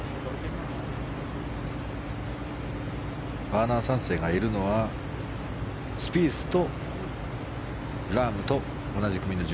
バーナー３世がいるのはスピースとラームと同じ組の